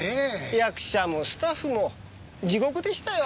役者もスタッフも地獄でしたよ。